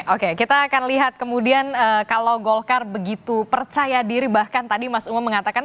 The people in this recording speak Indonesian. oke kita akan lihat kemudian kalau golkar begitu percaya diri bahkan tadi mas umam mengatakan